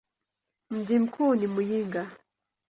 Mji mkuu ni Muyinga.